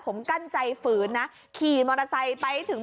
ผมกั้นใจฝืนนะขี่มอเตอร์ไซค์ไปถึง